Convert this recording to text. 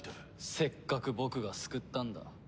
せっかく僕が救ったんだ。